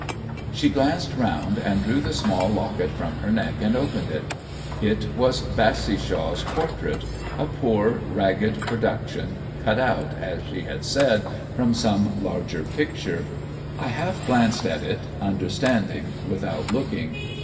She glanced round, and drew the small locket from her neck and opened it. It was Bassishaw's portrait, a poor, ragged production, cut out, as she had said, from some larger picture. I half glanced at it, understanding without looking.